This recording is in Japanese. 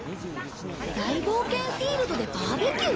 「大冒険フィールドでバーベキュー」？